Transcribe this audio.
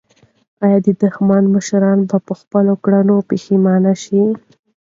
آیا د دښمن مشران به په خپلو کړنو پښېمانه شي؟